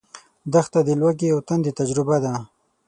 دښته د لوږې او تندې تجربه ده.